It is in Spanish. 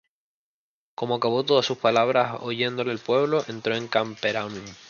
Como acabó todas sus palabras oyéndole el pueblo, entró en Capernaum.